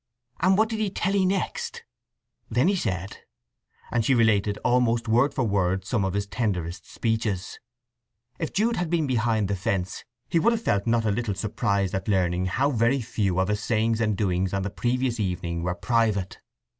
"And what did he tell 'ee next?" "Then he said—" And she related almost word for word some of his tenderest speeches. If Jude had been behind the fence he would have felt not a little surprised at learning how very few of his sayings and doings on the previous evening were private.